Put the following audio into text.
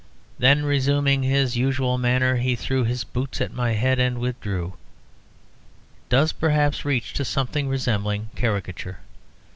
"Then, resuming his usual manner, he threw his boots at my head and withdrew," does perhaps reach to something resembling caricature.